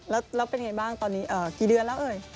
แล้วเป็นไงบ้างตอนนี้กี่เดือนแล้วเอ่ย